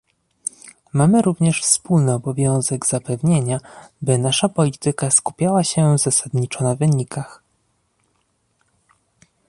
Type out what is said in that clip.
Mamy również wspólny obowiązek zapewnienia, by nasza polityka skupiała się zasadniczo na wynikach